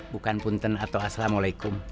bukan punten atau assalamualaikum